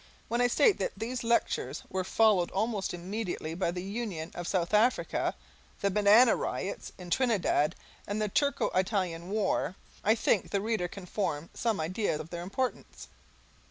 When I state that these lectures were followed almost immediately by the Union of South Africa, the Banana Riots in Trinidad, and the Turco Italian war, I think the reader can form some idea of their importance.